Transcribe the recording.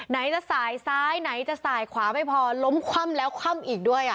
ไหนจะสายซ้ายไหนจะสายขวาไม่พอล้มคว่ำแล้วคว่ำอีกด้วย